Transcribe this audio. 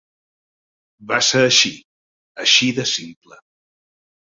Va ser així, així de simple.